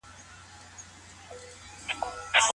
د فقر سمه څېړنه د اجتماعي اصلاحاتو لپاره لازمه ده.